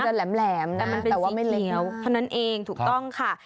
มันจะแหลมแต่ว่าไม่เล็กแต่มันเป็นสีเขียวเพราะนั่นเองถูกต้องค่ะ